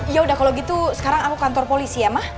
yaudah kalau gitu sekarang aku kantor polisi ya mah